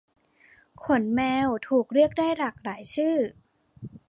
ขนแมวถูกเรียกได้หลากหลายชื่อ